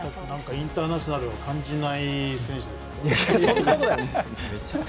インターナショナルを感じない選手ですね。